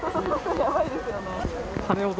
やばいですよね。